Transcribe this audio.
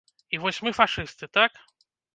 І вось мы фашысты, так?!